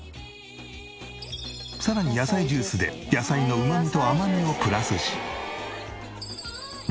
さらに野菜ジュースで野菜のうまみと甘みをプラスし。